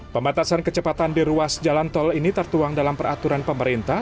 pembatasan kecepatan di ruas jalan tol ini tertuang dalam peraturan pemerintah